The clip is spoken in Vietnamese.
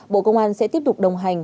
bộ công an sẽ tiếp tục đồng hành